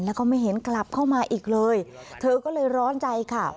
แล้วก็ไม่เห็นกลับเข้ามาอีกเลยเธอก็เลยร้อนใจค่ะ